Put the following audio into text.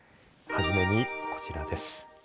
初めにこちらです。